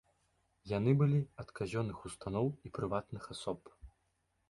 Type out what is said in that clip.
Яны былі ад казённых устаноў і прыватных асоб.